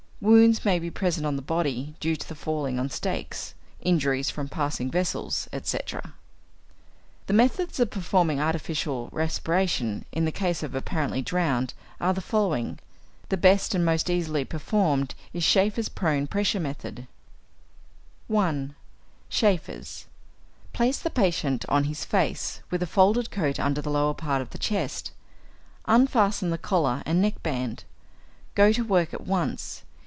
Wounds may be present on the body, due to falling on stakes, injuries from passing vessels, etc. The methods of performing artificial respiration in the case of the apparently drowned are the following (the best and most easily performed is Schäfer's prone pressure method): 1. Schäfer's. Place the patient on his face, with a folded coat under the lower part of the chest. Unfasten the collar and neckband. Go to work at once.